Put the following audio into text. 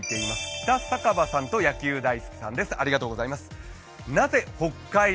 北酒場さんと野球大好きさんです。